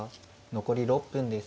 残り６分です。